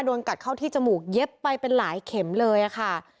โดนกัดเข้าที่จมูกเย็บไปเป็นหลายเข็มเลยค่ะ